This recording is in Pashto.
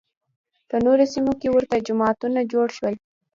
په نورو سیمو کې ورته جماعتونه جوړ شول